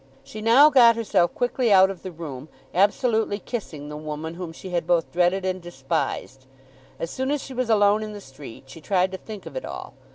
She now got herself quickly out of the room, absolutely kissing the woman whom she had both dreaded and despised. As soon as she was alone in the street she tried to think of it all.